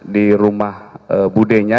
di rumah budenya